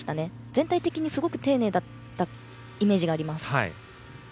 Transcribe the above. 全体的にすごく丁寧だったイメージがあります。